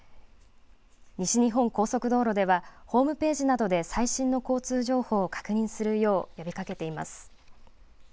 西日本高速道路では、ホームページなどで最新の交通情報を確認するよう呼びかけています。